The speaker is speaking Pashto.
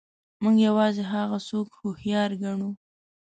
موږ یوازې هغه څوک هوښیار ګڼو.